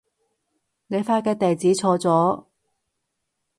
你發嘅地址錯咗